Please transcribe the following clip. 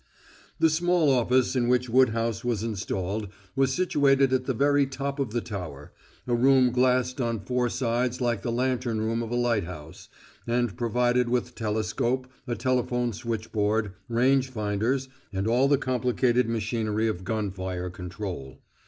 The small office in which Woodhouse was installed was situated at the very top of the tower a room glassed on four sides like the lantern room of a lighthouse, and provided with telescope, a telephone switchboard, range finders, and all the complicated machinery of gunfire control.